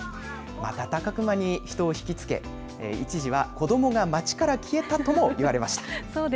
瞬く間に人々をひきつけ、一時は子どもが街から消えたとも言われました。